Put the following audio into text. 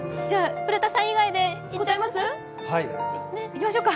古田さん以外で言っちゃいます？